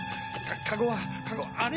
カゴはカゴあれ？